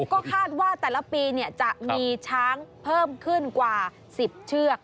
ก็คาดว่าแต่ละปีจะมีช้างเพิ่มขึ้นกว่า๑๐เชือก